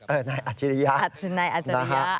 เออนายอาจิริยะนายอาจิริยะ